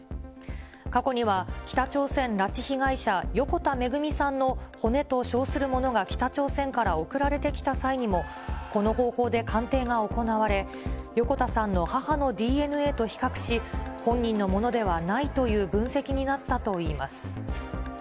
過去には、北朝鮮拉致被害者、横田めぐみさんの骨と称するものが北朝鮮から送られてきた際にも、この方法で鑑定が行われ、横田さんの母のＤＮＡと比較し、本人のものではないという分析になったといいます。